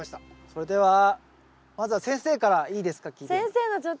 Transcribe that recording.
それではまずは先生からいいですか？